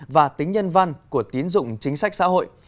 và tính nhân văn của tín dụng chính sách xã hội